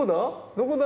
どこだ？